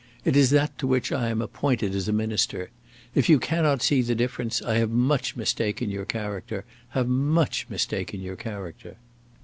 It is that to which I am appointed as a minister. If you cannot see the difference I have much mistaken your character, have much mistaken your character."